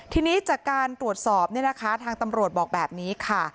ทีนี้จากการตรวจสอบทางตำรวจบอกแบบนี้ค่ะ